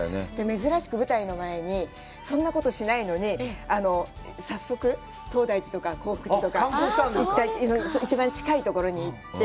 珍しく舞台の前に、そんなことしないのに、早速、東大寺とか、興福寺とか、一番近いところに行って。